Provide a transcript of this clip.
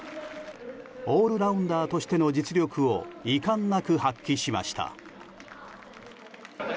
オールラウンダーとしての実力をいかんなく発揮しました。